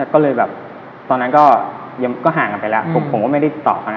ก็เลยแบบตอนนั้นก็ยังก็ห่างกันไปแล้วผมก็ไม่ได้ตอบค่ะนะ